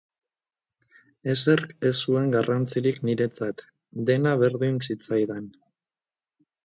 Ezerk ez zuen garrantzirik niretzat, dena berdin zitzaidan.